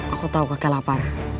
aku tau kakek lapar